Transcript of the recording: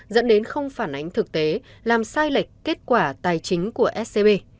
dẫn đến không phản ánh thực tế làm sai lệch kết quả tài chính của scb